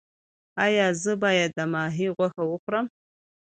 ایا زه باید د ماهي غوښه وخورم؟